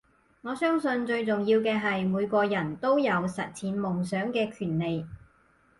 我相信最重要嘅係每個人都有實踐夢想嘅權利